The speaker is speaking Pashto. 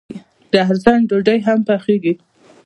د ارزن ډوډۍ هم پخیږي.